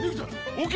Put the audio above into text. ＯＫ。